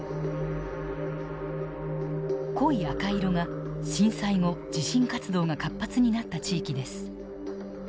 濃い赤色が震災後地震活動が活発になった地域です。